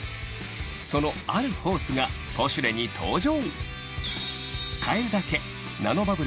そのあるホースが『ポシュレ』に登場！